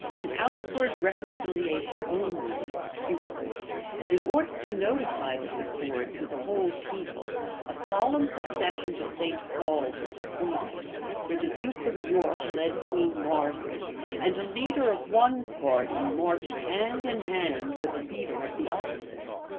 An outward reconciliation only was procured; and in order to notify this accord to the whole people, a solemn procession to St. Paul's was appointed, where the duke of York led Queen Margaret, and a leader of one party marched hand in hand with a leader of the opposite.